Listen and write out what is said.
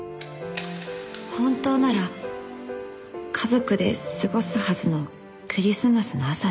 「本当なら家族で過ごすはずのクリスマスの朝でした」